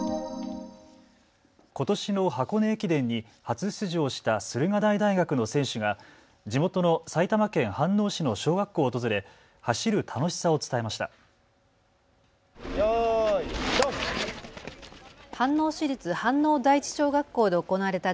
ことしの箱根駅伝に初出場した駿河台大学の選手が地元の埼玉県飯能市の小学校を訪れ、走る楽しさを伝えました。